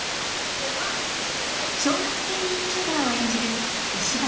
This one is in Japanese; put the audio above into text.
小学生ＹｏｕＴｕｂｅｒを演じる石橋